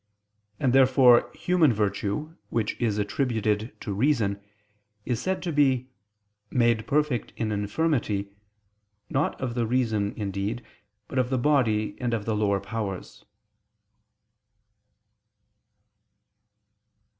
And therefore human virtue, which is attributed to reason, is said to be "made perfect in infirmity," not of the reason indeed, but of the body and of the lower powers.